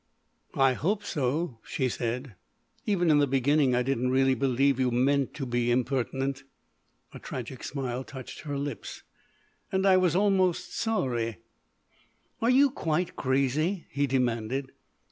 "I hope so," she said. "Even in the beginning I didn't really believe you meant to be impertinent"—a tragic smile touched her lips—"and I was almost sorry——" "Are you quite crazy?" he demanded.